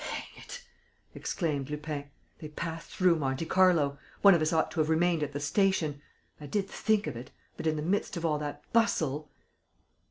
"Hang it!" exclaimed Lupin. "They passed through Monte Carlo. One of us ought to have remained at the station. I did think of it; but, in the midst of all that bustle...."